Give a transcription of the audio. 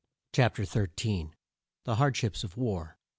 CHAPTER XIII. THE HARDSHIPS OF WAR.